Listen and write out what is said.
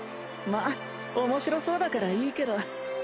まあおもしろそうだからいいけど。